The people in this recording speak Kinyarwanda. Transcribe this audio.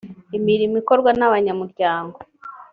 imirimo ikorwa n’ abanyamuryango